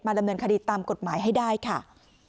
ดำเนินคดีตามกฎหมายให้ได้ค่ะ